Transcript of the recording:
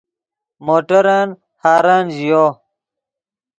موٹرن ہارن ژیو